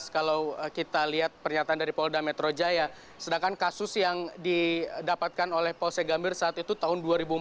kalau kita lihat pernyataan dari polda metro jaya sedangkan kasus yang didapatkan oleh polsek gambir saat itu tahun dua ribu empat belas